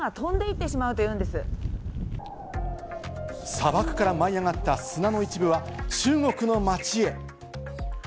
砂漠から舞い上がった砂の一部は中国の街へ。